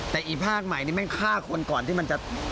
แต่อีกภาคใหม่นี่แม่งฆ่าคนก่อนที่มันจะ